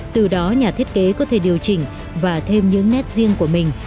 từ đó nhà thiết kế có thể điều chỉnh và thêm những nét riêng của mình